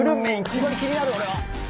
一番気になる俺は。